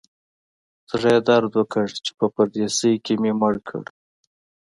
زړه یې درد وکړ چې په پردیسي کې مې مړ کړ.